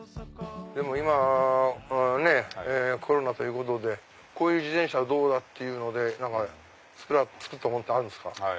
今コロナということでこういう自転車はどうだ？って作ったものあるんですか？